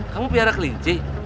kamu piharak linci